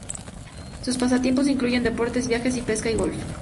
Sus pasatiempos incluyen deportes, viajes, pesca y golf.